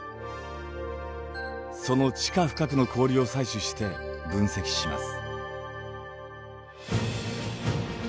その地下深くの氷を採取して分析します。